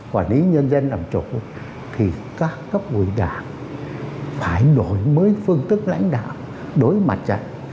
quản lý nhân dân làm chủ thì các cấp nguội đảng phải đổi mới phương tức lãnh đạo đối mặt trận